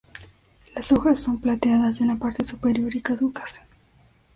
Las hojas son plateadas en la parte superior y caducas.